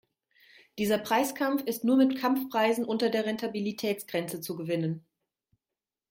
Dieser Preiskampf ist nur mit Kampfpreisen unter der Rentabilitätsgrenze zu gewinnen.